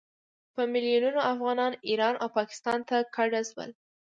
په میلونونو افغانان ایران او پاکستان ته کډه شول.